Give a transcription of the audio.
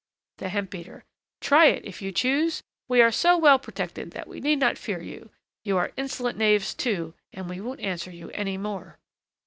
THE HEMP BEATER. Try it, if you choose. We are so well protected that we need not fear you. You are insolent knaves, too, and we won't answer you any more.